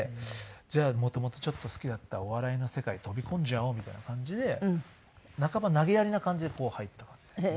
じゃあ元々ちょっと好きだったお笑いの世界飛び込んじゃおうみたいな感じで半ば投げやりな感じで入った感じですね。